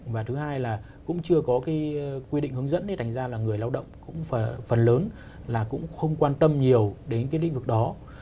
và thứ hai là cũng chưa có cái quy định hướng dẫn để thành ra là người lao động cũng phần lớn là cũng không quan tâm nhiều đến cái lĩnh vực đó